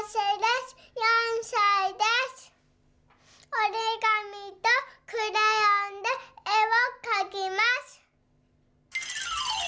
おりがみとクレヨンでえをかきます。